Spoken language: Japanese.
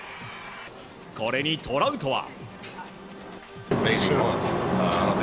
これにトラウトは。